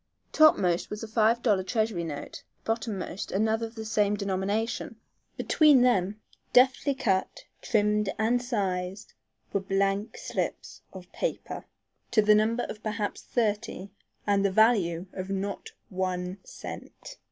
Topmost was a five dollar treasury note; bottom most another of the same denomination. Between them, deftly cut, trimmed and sized, were blank slips of paper to the number of perhaps thirty and the value of not one cent.